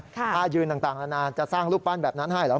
ถ้ายืนต่างนานาจะสร้างรูปปั้นแบบนั้นให้เหรอ